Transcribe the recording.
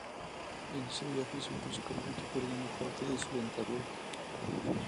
En ese viaje sufrió escorbuto perdiendo parte de su dentadura.